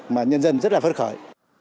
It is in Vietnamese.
mà nhân dân rất là phất khởi